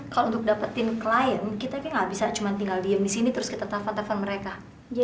kalau untuk dapetin client kita kayaknya gak bisa tinggal diem disini terus kita telpon telpon mereka